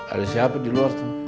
ada siapa di luar sana